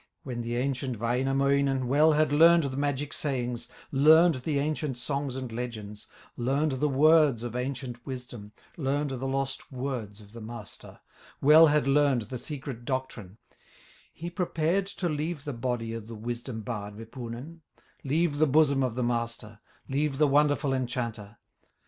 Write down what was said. When the ancient Wainamoinen Well had learned the magic sayings, Learned the ancient songs and legends, Learned the words of ancient wisdom, Learned the lost words of the Master, Well had learned the secret doctrine, He prepared to leave the body Of the wisdom bard, Wipunen, Leave the bosom of the master, Leave the wonderful enchanter.